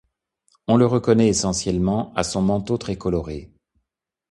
On le reconnaît essentiellement à son manteau très coloré.